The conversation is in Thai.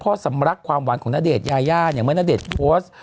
สำรักความหวานของณเดชน์ยายาเนี่ยเมื่อณเดชน์โพสต์